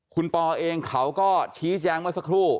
คุณปอเองเขาก็ชี้แจงเมื่อสักครู่